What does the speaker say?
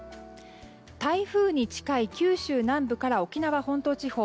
台風に近い九州南部から沖縄本島地方